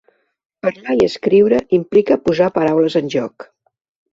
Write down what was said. Parlar i escriure implica posar paraules en joc.